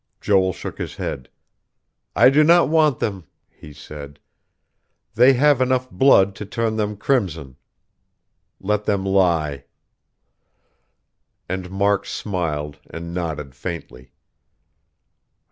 Joel shook his head. "I do not want them," he said. "They have enough blood to turn them crimson. Let them lie." And Mark smiled, and nodded faintly.